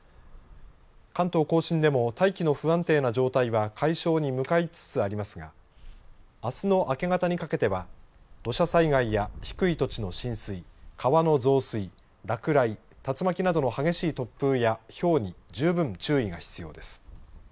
関東甲信でも大気の不安定な状態は解消に向かいつつありますがあすの明け方にかけては土砂災害や低い土地の浸水川の増水、落雷竜巻などの激しい突風やひょうに十分注意が必要です。